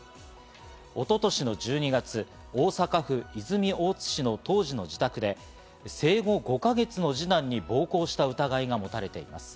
一昨年の１２月、大阪府泉大津市の当時の自宅で、生後５か月の二男に暴行した疑いが持たれています。